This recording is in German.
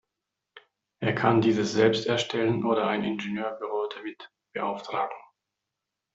Er kann dieses selbst erstellen oder ein Ingenieurbüro damit beauftragen.